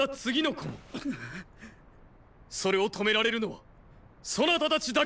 それを止められるのはそなたたちだけだ！